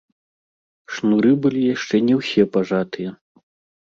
Шнуры былі яшчэ не ўсе пажатыя.